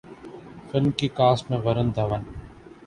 film کی cast میں ورون دھون